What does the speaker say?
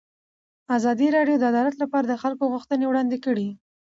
ازادي راډیو د عدالت لپاره د خلکو غوښتنې وړاندې کړي.